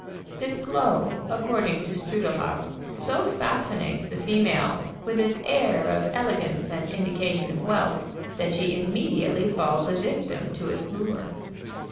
This glow, according to Strudlehoff, so fascinates the female with its air of elegance and indication of wealth, that she immediately falls a victim to its lure.